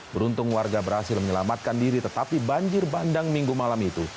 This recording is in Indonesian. beruntung warga berhasil menyelamatkan diri tetapi banjir bandang minggu malam itu